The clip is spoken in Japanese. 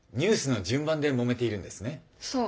そう。